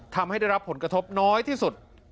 ทำให้ได้รับผลกระทบน้อยที่สุด